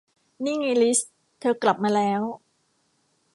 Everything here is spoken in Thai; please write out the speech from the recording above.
นี่ไงลิซ เธอกลับมาแล้ว